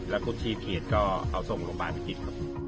แล้วพวกที่เขียนก็เอาส่งโรงพยาบาลไปกินครับ